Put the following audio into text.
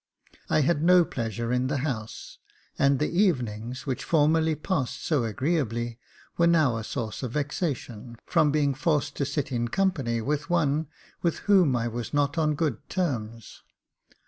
I had no pleasure in the house ; and the evenings, which formerly passed so agreeably, were now a source of vexation, from being forced to sit in company with one with whom I was not on good terms.